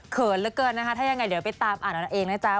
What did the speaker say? เหลือเกินนะคะถ้ายังไงเดี๋ยวไปตามอ่านเอาเองนะจ๊ะ